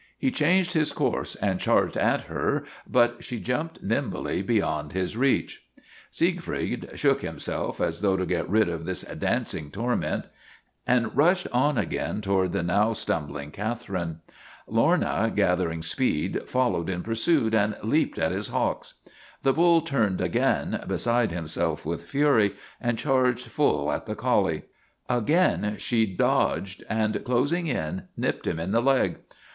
He changed his course and charged at her, but she jumped nimbly beyond his reach. Siegfried shook himself as though to get rid of this dancing torment and rushed on again toward LORNA OF THE BLACK EYE 263 the now stumbling Catherine. Lorna, gathering speed, followed in pursuit, and leaped at his hocks. The bull turned again, beside himself with fury, and charged full at the collie. Again she dodged, and, closing in, nipped him in the leg.